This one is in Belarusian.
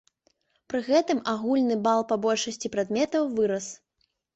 Пры гэтым агульны бал па большасці прадметаў вырас.